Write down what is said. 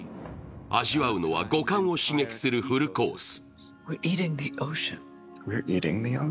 味わうのは五感を刺激するフルコース。